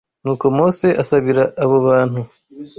Nuko Mose asabira abo bantu